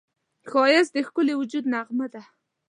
ښایست د ښکلي وجود نغمه ده